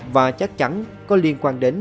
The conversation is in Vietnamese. và chắc chắn có liên quan đến